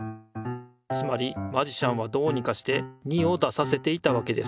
つまりマジシャンはどうにかして２を出させていたわけです。